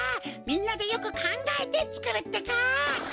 みんなでよくかんがえてつくるってか！